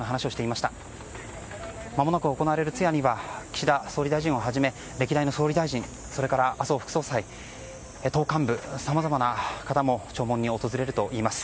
まもなく行われる通夜には岸田総理をはじめ歴代の総理大臣それから麻生副総裁、党幹部さまざまな方も弔問に訪れるといいます。